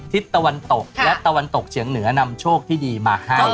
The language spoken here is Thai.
ทิศตะวันตกและตะวันตกเฉียงเหนือนำโชคที่ดีมาให้